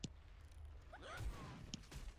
چې لږ به څوک په کټ کې ستون شو.